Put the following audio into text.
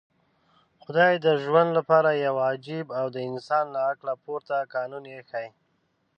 خدای د ژوند لپاره يو عجيب او د انسان له عقله پورته قانون ايښی.